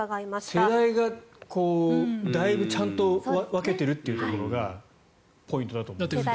世代がだいぶちゃんと分けてるってところがポイントだと思います。